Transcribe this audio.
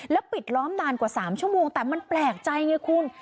ปิดล้อมนานกว่า๓ชั่วโมงแต่มันแปลกใจไงคุณ